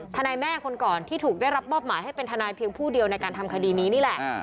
ทนายแม่คนก่อนที่ถูกได้รับมอบหมายให้เป็นทนายเพียงผู้เดียวในการทำคดีนี้นี่แหละ